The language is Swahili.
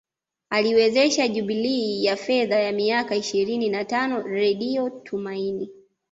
Aliwezesha jubilei ya fedha ya miaka ishirini na tano redio Tumaini